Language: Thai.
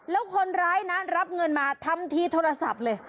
แล้วคนร้ายนั้นรับเงินมาทำทีโทรศัพท์เลย